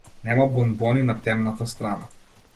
Нема бонбони на темната страна.